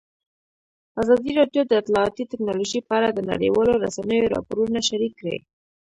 ازادي راډیو د اطلاعاتی تکنالوژي په اړه د نړیوالو رسنیو راپورونه شریک کړي.